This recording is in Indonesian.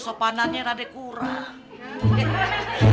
saya terima semuanya